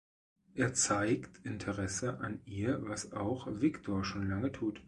Er zeigt Interesse an ihr, was auch Victor schon lange tut.